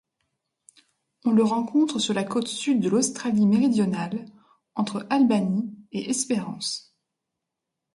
On le rencontre sur la côte sud de l'Australie-Méridionale, entre Albany et Esperance.